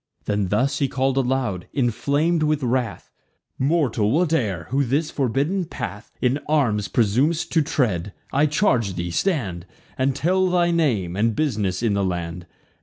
Then thus he call'd aloud, inflam'd with wrath: "Mortal, whate'er, who this forbidden path In arms presum'st to tread, I charge thee, stand, And tell thy name, and bus'ness in the land.